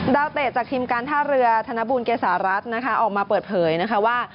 ดาวเตะจากทีมการท่าเรือธนบูรณ์เกษารัฐออกมาเปิดเผยว่า